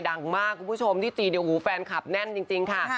ดังมากคุณผู้ชมที่ตีเนี่ยหูแฟนคลับแน่นจริงค่ะ